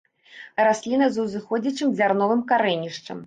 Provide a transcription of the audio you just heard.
Расліна з узыходзячым дзярновым карэнішчам.